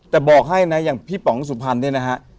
แต่บอกให้นะอย่างพี่ป๋องสุพรรณเนี่ยนะฮะ